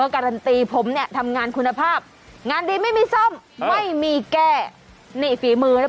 การันตีผมเนี่ยทำงานคุณภาพงานดีไม่มีซ่อมไม่มีแก้นี่ฝีมือนะ